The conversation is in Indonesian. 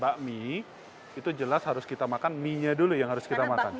bakmi itu jelas harus kita makan mie nya dulu yang harus kita makan